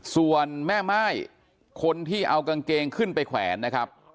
ส่วนแม่ม่ายคนที่เอากางเกงขึ้นไปแขวนนะครับ